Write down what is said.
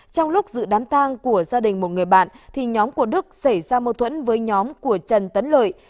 trong lúc dự đám tang của gia đình một người bạn thì nhóm của đức xảy ra mâu thuẫn với nhóm của trần tấn lợi